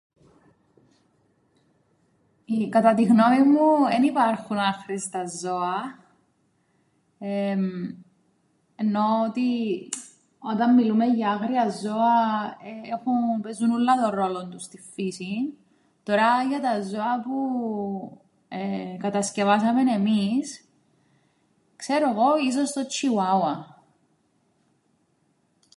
Κατά την γνώμην μου εν υπάρχουν άχρηστα ζώα, εεεμ, εννοώ ότι όταν μιλούμε για άγρια ζώα, εεε, έχουν, παίζουν ούλλα τον ρόλον τους στην φύσην. Τωρά για τα ζώα που, εεε, εκατασκευάσαμεν εμείς. Ξέρω ‘γω; ίσως το τσ̆ιουάουα.